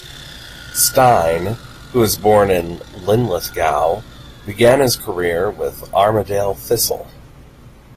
Stein, who was born in Linlithgow, began his career with Armadale Thistle.